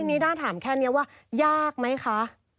ทีนี้ถ้าถามแค่นี้ว่ายากไหมคะ